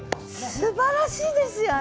すばらしいですよあなた！